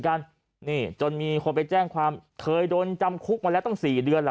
กันนี่จนมีคนไปแจ้งความเคยโดนจำคุกมาแล้วต้องสี่เดือนล่ะ